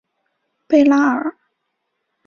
贝拉尔。